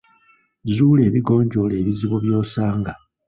Zuula ebigonjoola ebizibu by'osanga.